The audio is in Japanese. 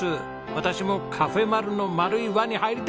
私もカフェまる。の丸い輪に入りたいです。